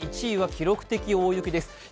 １位は記録的大雪です。